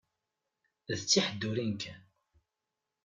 D tiheddurin kan.